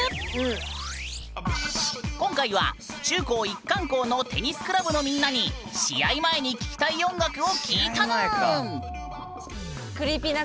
今回は中高一貫校のテニスクラブのみんなに試合前に聞きたい音楽を聞いたぬーん！